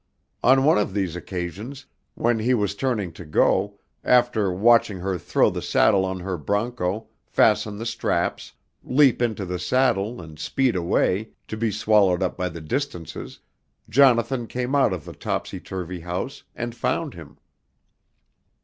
On one of these occasions, when he was turning to go, after watching her throw the saddle on her broncho, fasten the straps, leap into the saddle and speed away, to be swallowed up by the distances, Jonathan came out of the topsy turvy house and found him.